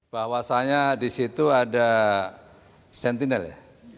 bahwasannya di situ ada sentinel ya